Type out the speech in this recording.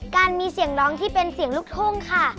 การมีเสียงร้องที่เป็นเสียงลูกทุ่งค่ะ